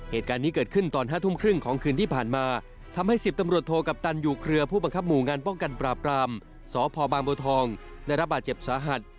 เหตุการณ์นี้เกิดขึ้นตอน๕ทุ่มครึ่งของคืนที่ผ่านมาทำให้๑๐ตำรวจโทกัปตันอยู่เครือผู้บังคับหมู่งานป้องกันปราบรามสพบางบัวทองได้รับบาดเจ็บสาหัส